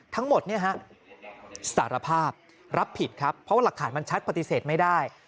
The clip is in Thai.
ทั้งหมดสารภาพรับผิดครับเพราะว่าหลักฐานมันชัดปฏิเสธไม่ได้